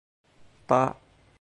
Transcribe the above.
打